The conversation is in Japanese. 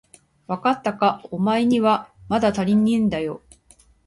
わかったか、おまえにはまだたりねえだよ。